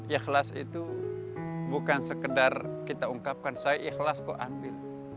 ikhlas itu bukan sekedar kita ungkapkan saya ikhlas kok ambil